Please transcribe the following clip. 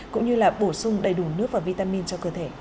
cũng như là bổ sung đầy đủ nước và vitamin cho cơ thể